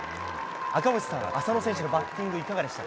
赤星さん、浅野選手のバッティング、いかがでしたか？